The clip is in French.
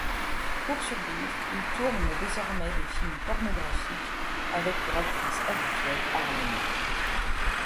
Pour survivre il tourne désormais des films pornographiques avec pour actrice habituelle Harlenne.